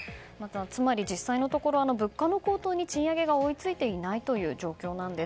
つまり、実際のところ物価の高騰に賃上げが追いついていない状況なんです。